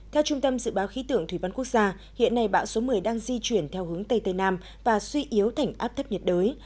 theo trung tâm dự báo khí tượng thủy văn quốc gia hiện nay bão số một mươi đang di chuyển theo hướng tây tây nam và suy yếu thành áp thấp nhiệt đới